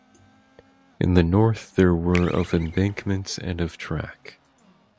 In the north there were of embankments and of track.